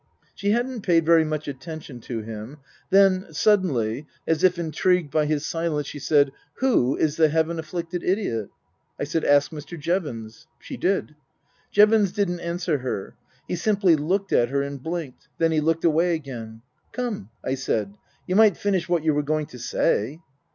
She hadn't paid very much attention to him. Then, suddenly, as if intrigued by his silence, she said :" Who is the Heaven afflicted idiot ?" I said: "Ask Mr. Jevons." She did. Jevons didn't answer her. He simply looked at her and blinked. Then he looked away again. " Come," I said, " you might finish what you were going to say."